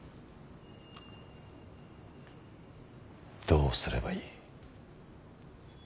どうすればいい。